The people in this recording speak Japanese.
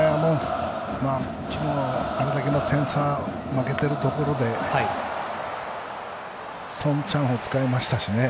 昨日あれだけの点差負けているところで宋家豪を使いましたし